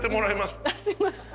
すいません。